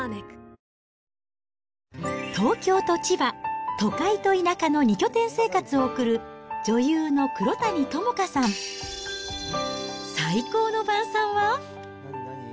東京と千葉、都会と田舎の２拠点生活を送る、女優の黒谷友香さん。